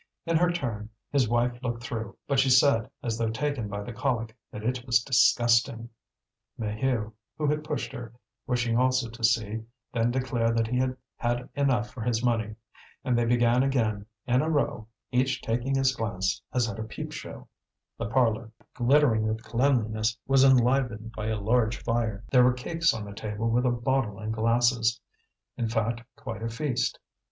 In her turn his wife looked through, but she said, as though taken by the colic, that it was disgusting. Maheu, who had pushed her, wishing also to see, then declared that he had had enough for his money. And they began again, in a row, each taking his glance as at a peep show. The parlour, glittering with cleanliness, was enlivened by a large fire; there were cakes on the table with a bottle and glasses, in fact quite a feast.